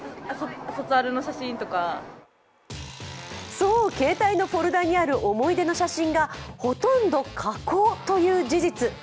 そう、携帯のフォルダにある思い出の写真がほとんど加工という事実。